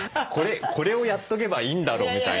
これをやっとけばいいんだろうみたいな。